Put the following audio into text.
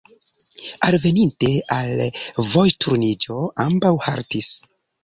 Alveninte al vojturniĝo, ambaŭ haltis.